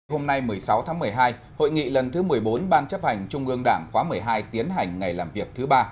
hôm nay một mươi sáu tháng một mươi hai hội nghị lần thứ một mươi bốn ban chấp hành trung ương đảng khóa một mươi hai tiến hành ngày làm việc thứ ba